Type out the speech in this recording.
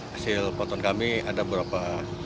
hasil potongan kami ada berapa